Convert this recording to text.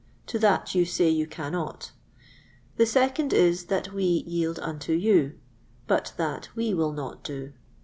To that you say you cannot. The second is, that we yield unto you; but that we will not do.